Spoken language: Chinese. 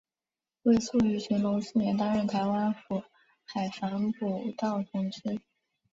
魏素于乾隆四年担任台湾府海防补盗同知。